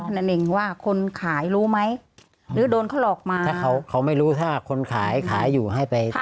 นั่นเองว่าคนขายรู้ไหมหรือโดนเขาหลอกมาถ้าเขาเขาไม่รู้ถ้าคนขายขายอยู่ให้ไป